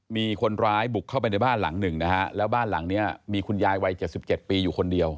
มีคนร้ายบุกเข้าไปในบ้านหลังหนึ่งนะฮะแล้วบ้านหลังเนี้ยมีคุณยายวัย๗๗ปีอยู่คนเดียว